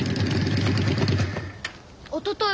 おととい